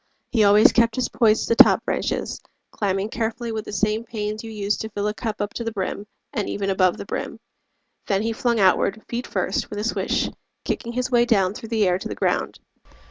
He always kept his poise To the top branches, climbing carefully With the same pains you use to fill a cup Up to the brim, and even above the brim. Then he flung outward, feet first, with a swish, Kicking his way down through the air to the ground.